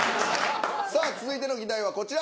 さあ続いての議題はこちら。